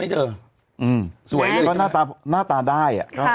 ดูหน้าตาได้